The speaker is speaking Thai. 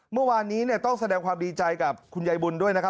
เมื่อวานนี้ต้องแสดงความดีใจกับคุณยายบุญด้วยนะครับ